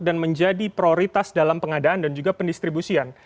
dan menjadi prioritas dalam pengadaan dan juga pendistribusian